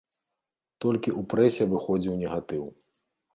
Толькі ў прэсе выходзіў негатыў.